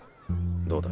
どうだ？